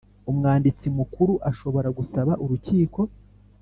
Umwanditsi Mukuru ashobora gusaba urukiko.